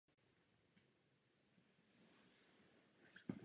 Později přešel do Německé radikální strany Karla Hermanna Wolfa.